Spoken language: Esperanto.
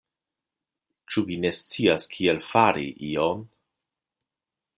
Ĉu vi ne scias kiel fari ion?